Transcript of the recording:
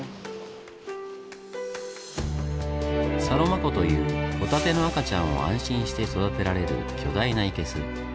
サロマ湖というホタテの赤ちゃんを安心して育てられる「巨大な生けす」。